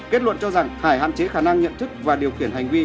kết luận cho rằng hải hạn chế khả năng nhận thức và điều khiển hành vi